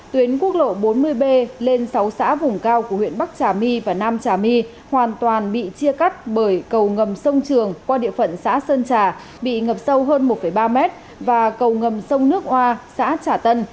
tuyến quốc lộ bốn mươi b lên sáu xã vùng cao của huyện bắc trà my và nam trà my hoàn toàn bị chia cắt bởi cầu ngầm sông trường qua địa phận xã sơn trà bị ngập sâu hơn một ba mét và cầu ngầm sông nước hoa xã trà tân